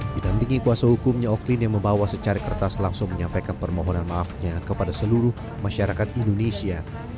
didampingi kuasa hukumnya oklin yang membawa secari kertas langsung menyampaikan permohonan maafnya kepada seluruh masyarakat indonesia